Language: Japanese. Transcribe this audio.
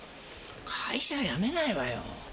会社は辞めないわよ。